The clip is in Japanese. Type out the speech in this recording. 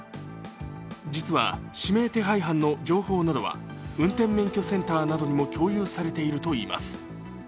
実は、指名手配犯の情報などは運転免許センターなどにも共有されているといいます。